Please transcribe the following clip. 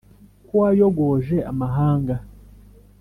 Ko wayogoje amahanga,